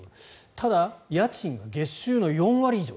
ただ、家賃が月収の４割以上。